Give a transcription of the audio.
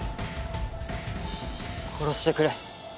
殺してくれ。